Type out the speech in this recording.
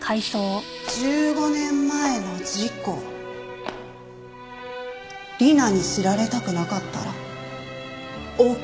１５年前の事故理奈に知られたくなかったらお金。